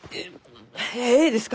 えいですか？